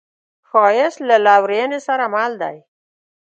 ښایست له لورینې سره مل دی